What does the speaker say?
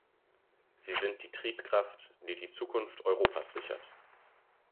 Sie sind die Triebkraft, die die Zukunft Europas sichert.